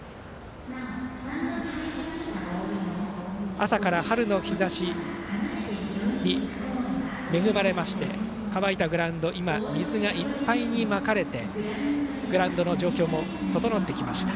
朝から春の日ざしに恵まれまして乾いたグラウンド今、水がいっぱいにまかれてグラウンド状況も整ってきました。